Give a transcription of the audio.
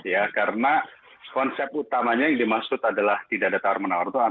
ya karena konsep utamanya yang dimaksud adalah tidak ada tawar menawar